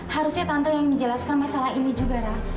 harusnya tante yang menjelaskan masalah ini juga rah